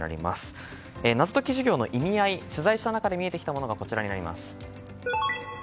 謎解き授業の意味合い取材してきた中で見えてきたものはこちらです。